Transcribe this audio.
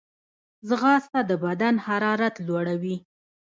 ځغاسته د بدن حرارت لوړوي